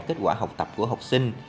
kết quả học tập của học sinh